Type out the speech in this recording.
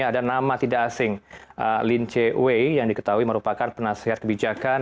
ada nama tidak asing lin che wei yang diketahui merupakan penasihat kebijakan